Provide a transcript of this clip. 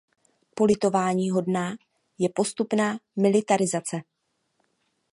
Politováníhodná je postupná militarizace.